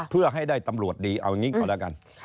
เพื่อให้ได้ตำรวจดีเอาอย่างนี้ก่อนแล้วกัน